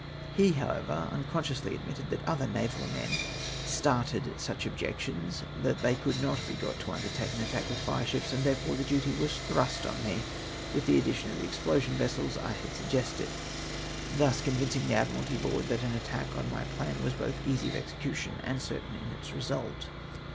He, however, unconsciously admitted that other naval men " started " such objections, that they could not be got to undertake an attack with fireships, and therefore the duty was thrust on me, with the addition of the explosion vessels I had suggested, thus con vincing the Admiralty Board that an attack, on my plan, was both easy of execution and certain in its result.